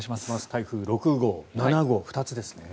台風６号、７号２つですね。